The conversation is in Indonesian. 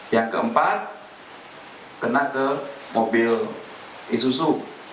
yang keempat kena ke mobil isusu